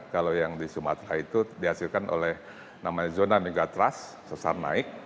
kalau yang di sumatera itu dihasilkan oleh namanya zona megatrust sesar naik